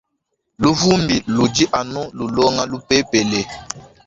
Luvumbi ludi anu lulonga lupepele.